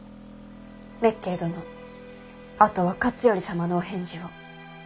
滅敬殿あとは勝頼様のお返事を。